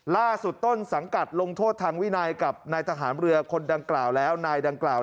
ล่าสุดต้นสังกัดลงโทษทางวินัยกับนายทหารเรือคนดังกล่าวแล้วนายดังกล่าว